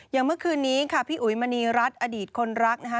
เมื่อคืนนี้ค่ะพี่อุ๋ยมณีรัฐอดีตคนรักนะคะ